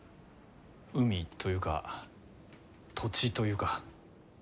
海というか土地というか。